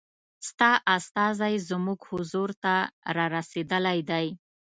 ستا استازی زموږ حضور ته را رسېدلی دی.